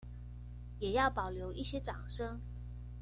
也要保留一些掌聲